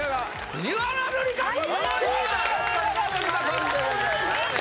藤原紀香さんでございます